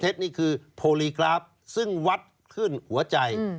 นี่คือโพลีกราฟซึ่งวัดขึ้นหัวใจ